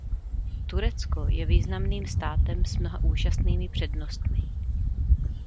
Turecko je významným státem s mnoha úžasnými přednostmi.